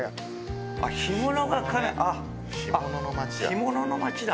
干物の町だ。